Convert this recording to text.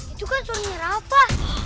itu kan suaranya rafa